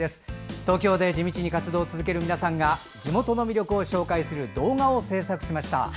東京で地道に活動を続ける皆さんが地元の魅力を紹介する動画を制作しました。